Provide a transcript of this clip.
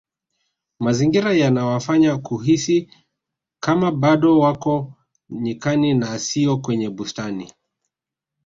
mazingira yanawafanya kuhisi Kama bado wako nyikani na siyo kwenye bustani